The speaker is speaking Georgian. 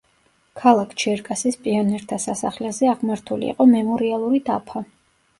ქალაქ ჩერკასის პიონერთა სასახლეზე აღმართული იყო მემორიალური დაფა.